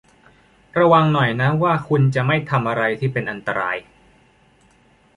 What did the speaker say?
ระวังหน่อยนะว่าคุณจะไม่ทำอะไรที่เป็นอันตราย